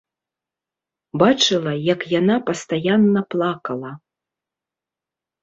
Бачыла як яна пастаянна плакала.